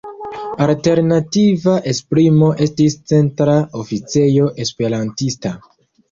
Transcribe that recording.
Alternativa esprimo estis "Centra Oficejo Esperantista".